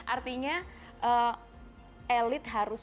artinya elit harus